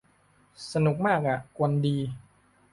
สนุกมากอะ กวนดี